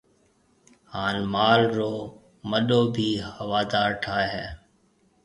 ھان مال رو مڏو ڀِي ھوادار ٺائيَ ھيََََ